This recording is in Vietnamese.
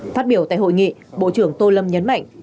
phát biểu tại hội nghị bộ trưởng tô lâm nhấn mạnh